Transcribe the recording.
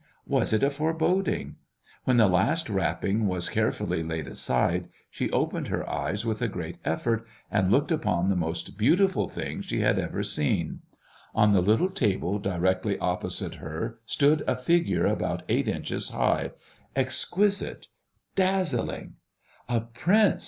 Was it a foreboding? When the last wrapping was carefully laid aside, she opened her eyes with a great effort and looked upon the most beautiful thing she had ever seen. On the little table directly opposite her, stood a figure about eight inches high, exquisite, dazzling! "A prince!"